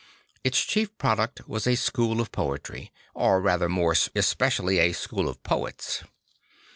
Its chief product was a school of poetry, or rather more especially a school of poets.